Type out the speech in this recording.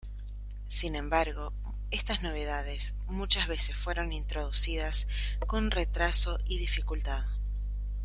Sin embargo, estas novedades muchas veces fueron introducidas con retraso y dificultad.